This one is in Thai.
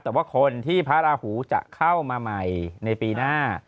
แต่ว่าคนที่พระราหูจะเข้ามาใหม่ในปีหน้า